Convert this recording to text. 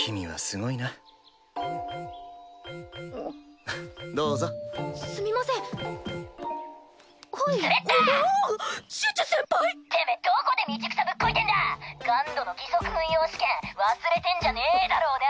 ＧＵＮＤの義足運用試験忘れてんじゃねぇだろうな！